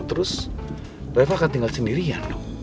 terus reva akan tinggal sendirian